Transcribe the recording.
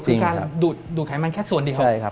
มีการดูดไขมันแค่ส่วนเดียว